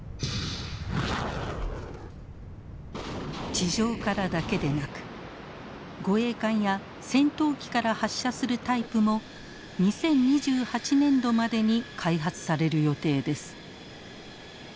地上からだけでなく護衛艦や戦闘機から発射するタイプも２０２８年度までに開発される予定です。